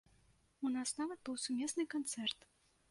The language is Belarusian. У нас нават быў сумесны канцэрт.